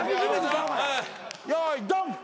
よいドン！